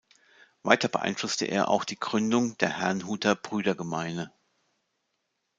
Weiter beeinflusste er auch die Gründung der Herrnhuter Brüdergemeine.